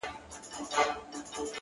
هغې ويله چي برزخ د زندگۍ نه غواړم-